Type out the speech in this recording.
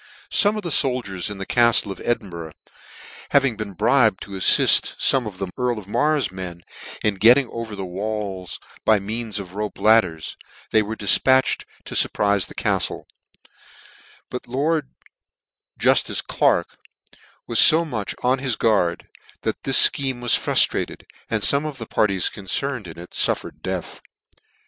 Some of the foldiers in the caille of Edinburgh having been bribed to aflift fome of the earl of Mar's men in getting over the walls by means of rope ladders, they were difpntched to furpritfe the caftle : but the Lord Juftice Clerk was fo much on his gtiard, that this fcl^eme was fruitrated, and fome of the parties concerned in it ftirTered death.